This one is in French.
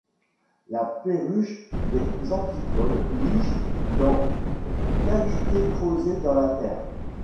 La Perruche des Antipodes niche dans des cavités creusées dans la terre.